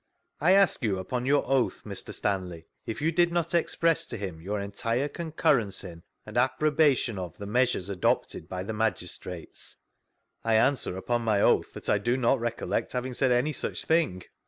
I ask you, upon your oath, Mx Stanley, if you did not express to him your entire concurrence in, and approbation of, the measures adopted by the magistrates? — I answer, upon my oath, that I do not recollect having said any such thing.